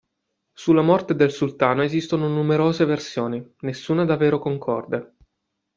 Sulla morte del sultano esistono numerose versioni, nessuna davvero concorde.